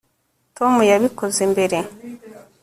Tom yabikoze mbere